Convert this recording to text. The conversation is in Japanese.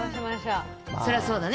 そりゃそうだね。